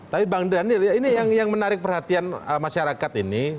tapi bang daniel ini yang menarik perhatian masyarakat ini